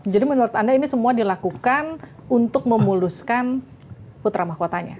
jadi menurut anda ini semua dilakukan untuk memuluskan putra mahkotanya